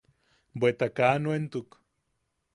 Bweta kaa nuentuk.